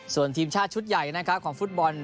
ส่วนทีมชาติชุดใหญ่นะครับของฟุตบอล